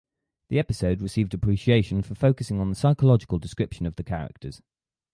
The episode received appreciation for focusing on the psychological description of the characters.